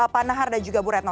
panahar dan juga bu retno